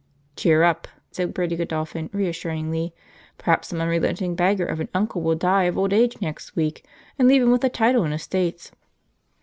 "Cheer up!" said Bertie Godolphin reassuringly. "Perhaps some unrelenting beggar of an uncle will die of old age next and leave him the title and estates."